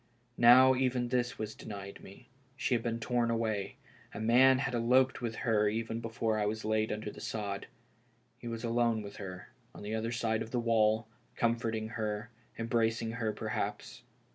Now even this was denied me ; she had been torn away, a man had eloped with her even before I was laid under tlie sod. He was alone with her, on the other side of the wall, comforting her — em bracing her, perhaps!